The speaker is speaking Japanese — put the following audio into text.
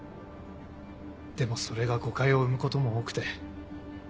でもそれが誤解を生むことも多くて。